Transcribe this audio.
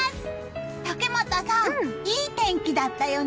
竹俣さん、いい天気だったよね！